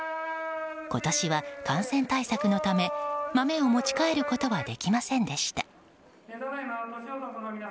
今年は、感染対策のため豆を持ち帰ることはできませんでした。